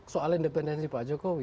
soal independensi pak jokowi